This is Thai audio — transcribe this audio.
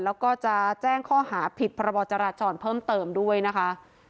แล้วก็จะแจ้งข้อหาผิดพรบจราจรเพิ่มเติมด้วยนะคะ